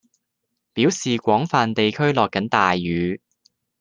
表示廣泛地區落緊大雨